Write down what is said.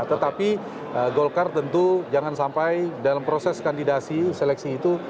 tetapi golkar tentu jangan sampai dalam proses kandidasi seleksi itu